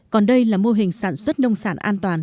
còn đây là mô hình sản xuất nông sản an toàn